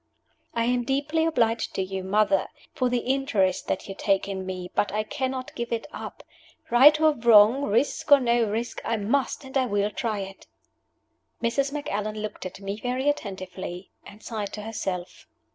'" "I am deeply obliged to you, mother, for the interest that you take in me, but I cannot give it up. Right or wrong, risk or no risk, I must and I will try it!" Mrs. Macallan looked at me very attentively, and sighed to herself.